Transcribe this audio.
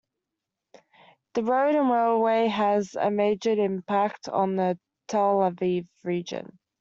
The road and railway had a major impact on the Tel Aviv region.